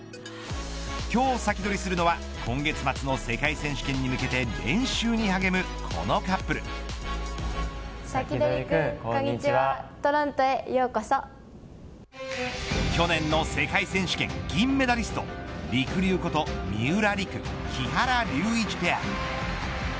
今日サキドリするのは今月末の世界選手権に向けてサキドリくんこんにちは去年の世界選手権銀メダリストりくりゅうこと三浦璃来、木原龍一ペア。